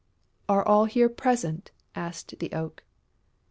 "Are all here present?" asked the Oak.